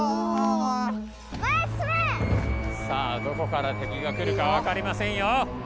どこから敵が来るかわかりませんよ。